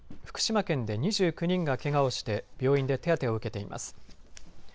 福島県で２９人がけがをして病院で手当てを受けています。